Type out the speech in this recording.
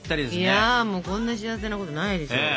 いやもうこんな幸せなことないですよ。